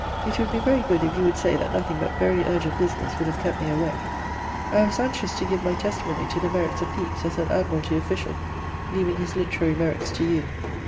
It would be very good if you would say that nothing but very urgent business would have kept me away. I was anxious to give my testimony to the merits of Pepys as an Admiralty official, leaving his literary merits to you.